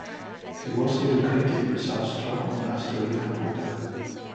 He was educated in Zaostrog monastery and Buda.